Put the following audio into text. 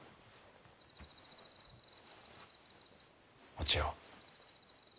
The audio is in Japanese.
お千代。